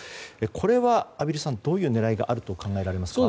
これは畔蒜さんどういう狙いがあると考えられますか？